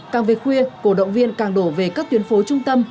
càng về khuya cổ động viên càng đổ về các tuyến phố trung tâm